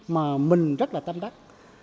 mà mình rất là tâm đắc